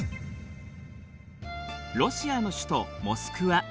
ロシアの首都モスクワ。